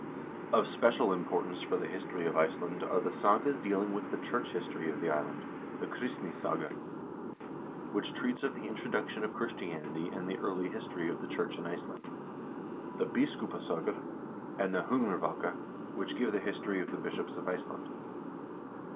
1 Of special importance for the history of Iceland are the sagas dealing with the church history of the island; the "Kristnisaga," which treats of the introduction of Christianity and the early history of the church in Iceland; the " Biskupas0gur " and "Hungrvaka," which give the history of the bishops of Iceland.